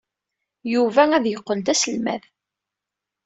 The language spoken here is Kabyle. Yuba ad yeqqel d aselmad.